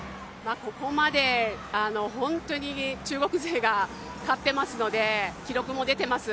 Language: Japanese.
ここまで本当に中国勢が勝ってますので記録も出ています。